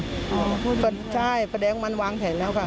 คนแก่ไปให้ร้ายคนตายมันไม่ใช่ค่ะคนตายไม่มีนิสัยที่จะทำนำร้ายฝ่ายใครผิดขาด